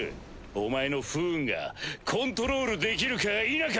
お前の不運がコントロールできるか否か。